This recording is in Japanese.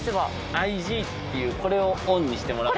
ＩＧっていうこれをオンにしてもらうと。